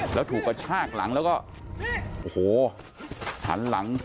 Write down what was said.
แล้วถูกกระชากหลังแล้วก็โอ้โหหันหลัง